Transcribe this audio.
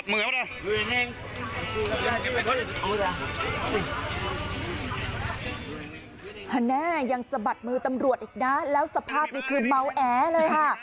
แม่ยังสะบัดมือตำรวจอีกนะแล้วสภาพนี้คือเมาแอเลยค่ะ